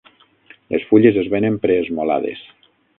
Les fulles es venen pre-esmolades.